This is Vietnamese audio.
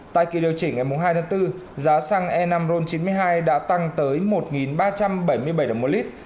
tại kỳ điều chỉnh ngày hai tháng bốn giá xăng e năm ron chín mươi hai đã tăng tới một ba trăm bảy mươi bảy đồng một lít